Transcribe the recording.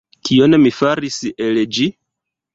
Kion mi faris el ĝi?